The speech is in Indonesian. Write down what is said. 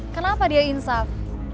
kenapa dia insaf